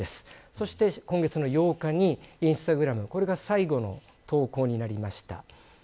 そして、今月の８日にインスタグラム、これが最後の投稿になりました。